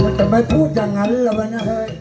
ว่าจะไปพูดอย่างนั้นละไว้นะเฮ้ย